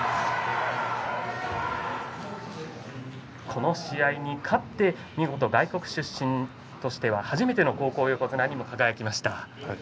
この試合に勝って見事、外国出身としては初めての高校横綱に輝きました。